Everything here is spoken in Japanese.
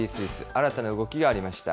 新たな動きがありました。